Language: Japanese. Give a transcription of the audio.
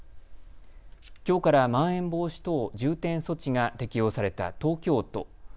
きょうからまん延防止等重点措置が適用された東京都。